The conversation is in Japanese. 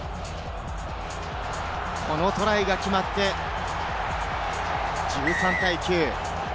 このトライが決まって、１３対９。